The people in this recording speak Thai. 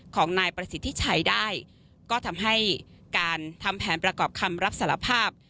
ของนายประสิทธิชัยได้ก็ทำให้การทำแผนประกอบคำรับสารภาพ